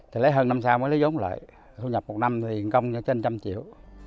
thì lấy hơn năm sau mới lấy giống lại thu nhập một năm thì công trên trăm triệu